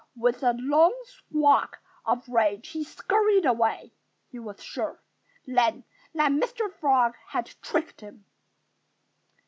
With a loud squawk of rage he scurried away. He was sure, then, that Mr. Frog had tricked him.